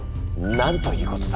なんということだ。